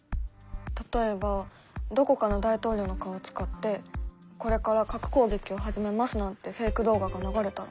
例えばどこかの大統領の顔を使って「これから核攻撃を始めます」なんてフェイク動画が流れたら。